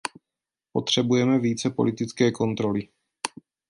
Potřebujeme více politické kontroly.